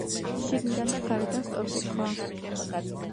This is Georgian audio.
შიგნიდან და გარედან სწორკუთხაა.